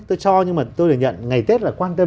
tôi cho nhưng mà tôi được nhận ngày tết là quan tâm